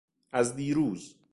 از دیروز